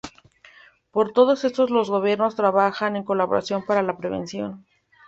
Por todo esto los gobiernos trabajan en colaboración para la prevención.